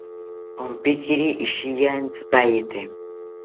Ompiquiri ishiya entzipaete